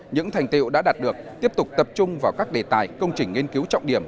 những thành tiệu đã đạt được tiếp tục tập trung vào các đề tài công trình nghiên cứu trọng điểm